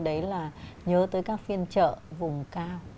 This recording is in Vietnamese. đấy là nhớ tới các phiên trợ vùng cao